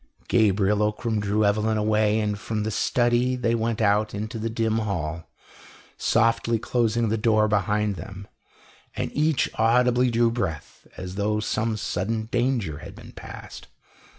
Gabriel Ockram drew Evelyn away, and from the study they went out into the dim hall, softly closing the door behind them, and each audibly drew breath, as though some sudden danger had been passed.